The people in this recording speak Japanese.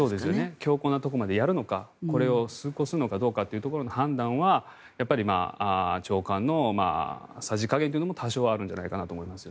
強硬なところまでやるのかこれをやるのかという判断は長官のさじ加減も多少はあるんじゃないかと思います。